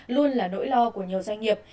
luôn là nỗi lo của nhiều doanh nghiệp